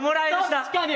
確かに。